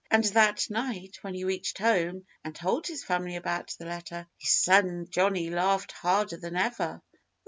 And that night, when he reached home and told his family about the letter, his son Johnnie laughed harder than ever.